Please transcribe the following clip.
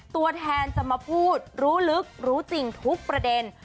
ตัวแทนจะมาพูดรู้ลึกรู้จริงทุกประเด็น